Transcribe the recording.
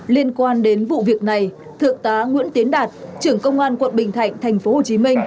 liên quan đến vụ việc này thượng tá nguyễn tiến đạt trưởng công an quận bình thạnh tp hcm